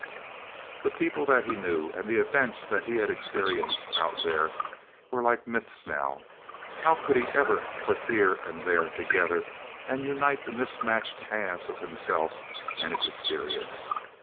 The people that he knew, and the events that he had experienced Out There, were like myths, now. _How could he ever put Here and There together, and unite the mismatched halves of himself and his experience?